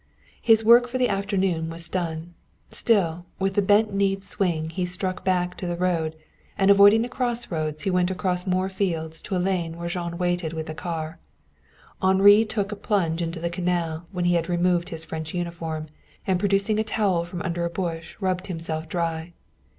His work for the afternoon was done. Still with the bent kneed swing he struck back to the road, and avoiding the crossroads, went across more fields to a lane where Jean waited with the car. Henri took a plunge into the canal when he had removed his French uniform, and producing a towel from under a bush rubbed himself dry.